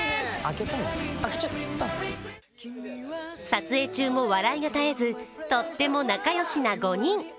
撮影中も笑いが絶えずとっても仲良しな５人。